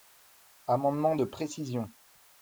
Amendement de précision.